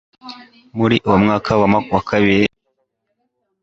Muri uwo mwaka wa bibiri na gatanu